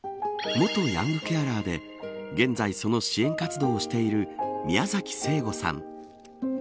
元ヤングケアラーで現在、その支援活動をしている宮崎成悟さん。